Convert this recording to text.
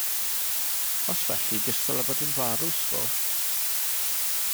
Os felly, gystal â bod yn farw, sbo.